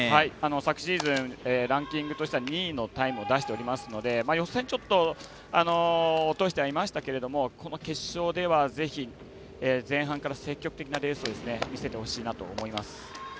昨シーズンランキングとしては２位のタイムを出してるので予選、ちょっと落としてはいましたけど決勝では、ぜひ前半から積極的なレースを見せてほしいなと思います。